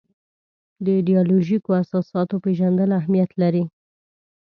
د ایدیالوژیکو اساساتو پېژندل اهمیت لري.